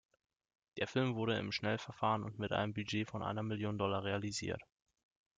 Der Film wurde im Schnellverfahren und mit einem Budget von einer Million Dollar realisiert.